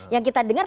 yang kita dengar